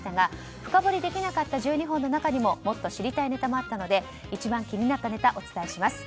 深掘りできなかった１２本の中にももっと知りたいネタもあったので一番気になったネタお伝えします。